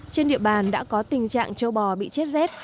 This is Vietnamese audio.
trên địa bàn đã có tình trạng châu bò bị chết rét